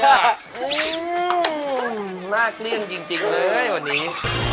เหมือนหน้าเปรี้ยงจริงเลยวันนี้